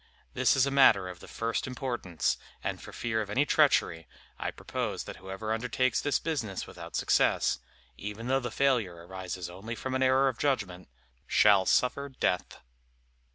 This is a matter of the first importance, and for fear of any treachery, I propose that whoever undertakes this business without success, even though the failure arises only from an error of judgment, shall suffer death."